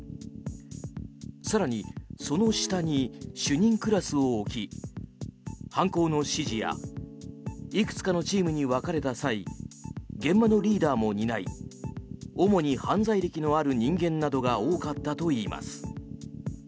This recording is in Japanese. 更に、その下に主任クラスを置き犯行の指示やいくつかのチームに分かれた際現場のリーダーも担い主に犯罪歴のある人間などが多かったといいます。